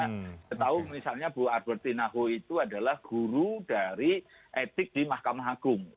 kita tahu misalnya bu arberti naho itu adalah guru dari etik di mahkamah agung